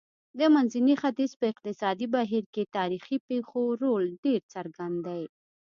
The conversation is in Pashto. د منځني ختیځ په اقتصادي بهیر کې تاریخي پېښو رول ډېر څرګند دی.